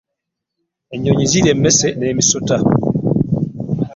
Ennyonyi zirya emmese n'emisota.